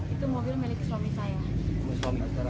itu mobil milik suami saya